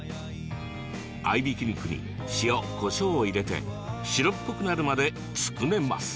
合いびき肉に塩、こしょうを入れて白っぽくなるまで、つくねます。